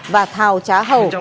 và thảo trá hầu